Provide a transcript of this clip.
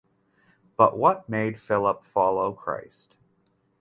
But what made Philip follow Christ?